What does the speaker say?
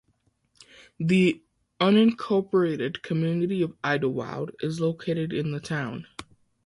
The unincorporated community of Idlewild is located in the town.